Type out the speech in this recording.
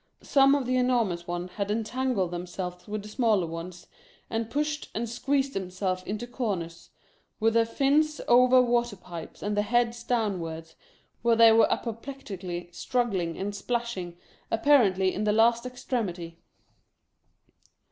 Some of the enormous ones had entangled themselves with the smaller ones, and pushed and squeezed themselves into corners, with their fins over water pipes, and their heads down wards, where they were apoplecticaUy struggling and splashing, apparently in the last extremity.